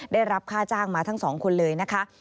ได้รับค่าจ้างมาทั้ง๒คนเลยนะคะ